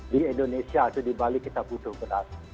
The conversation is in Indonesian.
di indonesia atau di bali kita butuh beras